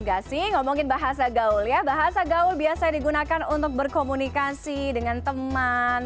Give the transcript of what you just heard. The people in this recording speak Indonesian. gak sih ngomongin bahasa gaul ya bahasa gaul biasa digunakan untuk berkomunikasi dengan teman